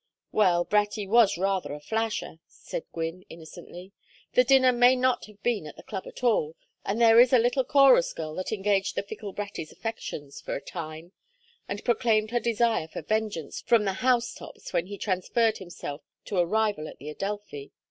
"Well, Bratty was rather a flasher," said Gwynne, innocently. "The dinner may not have been at the Club at all, and there is a little chorus girl that engaged the fickle Bratty's affections for a time, and proclaimed her desire for vengeance from the house tops when he transferred himself to a rival at the Adelphi.